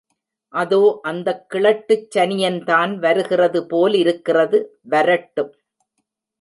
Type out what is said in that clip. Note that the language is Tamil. அதோ அந்தக் கிழட்டுச் சனியன்தான் வருகிறது போலிருக்கிறது, வரட்டும்.